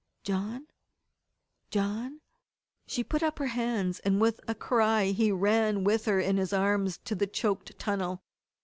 "John John " She put up her hands, and with a cry he ran with her in his arms to the choked tunnel.